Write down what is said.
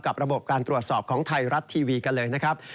ระบบการตรวจสอบของไทยรัฐทีวีกันเลยนะครับ